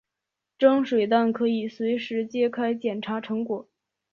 蒸水蛋可以随时揭开捡查成果。